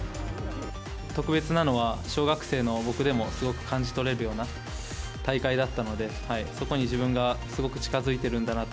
特別なのは小学生の僕でもすごく感じ取れるような大会だったので、そこに自分がすごく近づいてるんだなと。